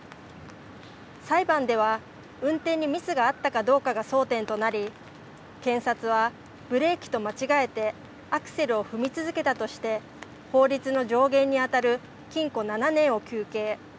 裁判では運転にミスがあったかどうかが争点となり検察はブレーキと間違えてアクセルを踏み続けたとして法律の上限にあたる禁錮７年を求刑。